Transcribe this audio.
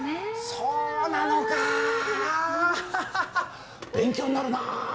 そうなのかハハハ勉強になるな。